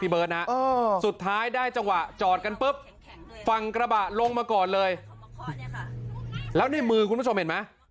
เบิร์ตนะสุดท้ายได้จังหวะจอดกันปุ๊บฝั่งกระบะลงมาก่อนเลยแล้วในมือคุณผู้ชมเห็นไหม